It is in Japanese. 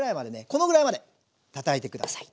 このぐらいまでたたいて下さい。